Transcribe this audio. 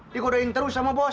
dikodohin terus sama bos